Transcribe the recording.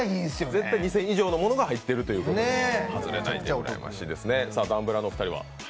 絶対２０００円以上のものが入ってるということですから。